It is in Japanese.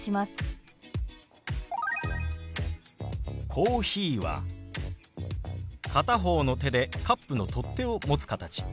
「コーヒー」は片方の手でカップの取っ手を持つ形。